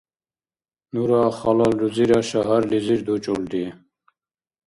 Нура халал рузира шагьарлизир дучӀулри.